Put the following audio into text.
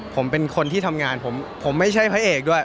ผมเป็นคนที่ทำงานผมไม่ใช่พระเอกด้วย